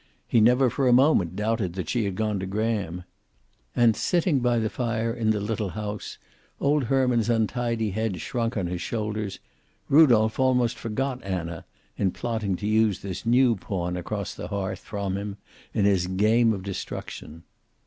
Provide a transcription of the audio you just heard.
He never for a moment doubted that she had gone to Graham. And, sitting by the fire in the little house, old Herman's untidy head shrunk on his shoulders, Rudolph almost forgot Anna in plotting to use this new pawn across the hearth from him in his game of destruction.